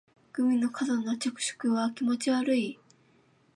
グミの過度な着色は気持ち悪い